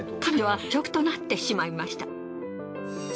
彼女は過食となってしまいました。